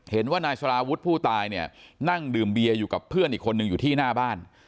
เห็นว่านายสาราวุฒิผู้ตายเนี่ยนั่งดื่มเบียอยู่กับเพื่อนอีกคนนึงอยู่ที่หน้าบ้าน